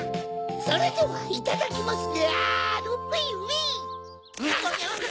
それではいただきますである。